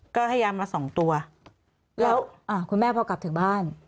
ก็ให้ยามาสองตัวแล้วคุณแม่พอกลับถึงบ้าน